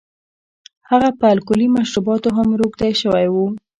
هغه په الکولي مشروباتو هم روږدی شوی و.